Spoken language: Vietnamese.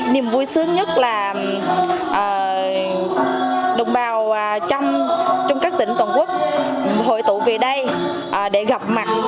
niềm vui sướng nhất là đồng bào trong các tỉnh toàn quốc hội tụ về đây để gặp mặt